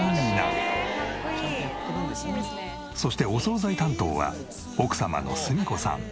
そしてお惣菜担当は奥様の澄子さん。